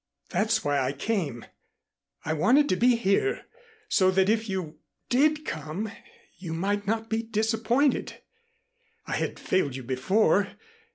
"That's why I came. I wanted to be here, so that if you did come, you might not be disappointed. I had failed you before.